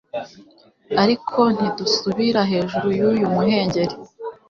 ariko ntidusubira hejuru yuyu muhengeri